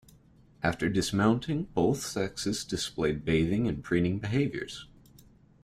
After dismounting, both sexes display bathing and preening behaviours.